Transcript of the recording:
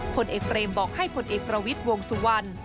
ผลเอกเบรมบอกให้ผลเอกประวิทย์วงสุวรรณ